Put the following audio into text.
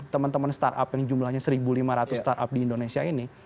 teman teman startup yang jumlahnya satu lima ratus startup di indonesia ini